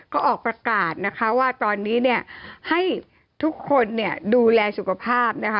ก็ออกประกาศนะคะว่าตอนนี้ให้ทุกคนดูแลสุขภาพนะคะ